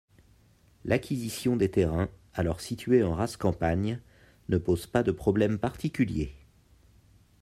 L'acquisition des terrains, alors situés en rase campagne, ne pose pas de problèmes particuliers.